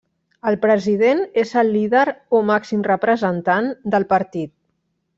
El president és el líder o màxim representant del partit.